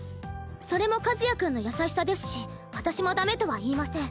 それも和也君の優しさですし私もダメとは言いません。